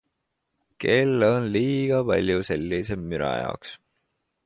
Kell on liiga palju sellise müra jaoks.